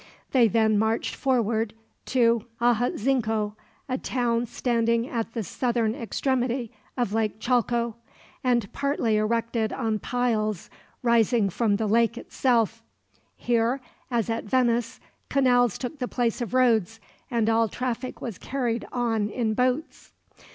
They then marched forward to Ajotzinco, a town standing at the southern extremity of Lake Chalco, and partly erected on piles rising from the lake itself. Here, as at Venice, canals took the place of roads, and all traffic was carried on in boats.